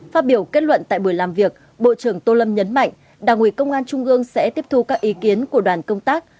phát biểu kết luận tại buổi làm việc bộ trưởng tô lâm nhấn mạnh đảng ủy công an trung ương sẽ tiếp thu các ý kiến của đoàn công tác